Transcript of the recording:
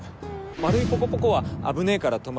丸いポコポコは「危ねぇから止まれ」